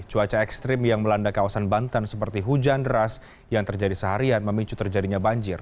cuaca ekstrim yang melanda kawasan banten seperti hujan deras yang terjadi seharian memicu terjadinya banjir